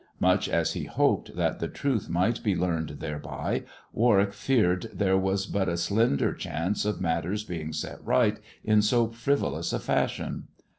Much as he hoped that the truth might be learned thereby, Warwick feared there was but a slender chance of matters being set right in so frivolous a fashion.